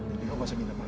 jadi aku masih minta maaf